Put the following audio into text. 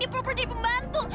dia proper jadi pembantu